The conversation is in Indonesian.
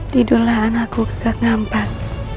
tidurlah anakku kakak ngampat